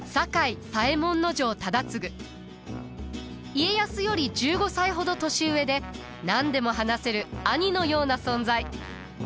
家康より１５歳ほど年上で何でも話せる兄のような存在。